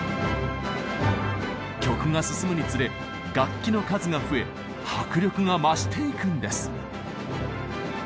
曲が進むにつれ楽器の数が増え迫力が増していくんです。